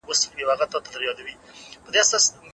خدای هر چا ته استعداد ورکړی.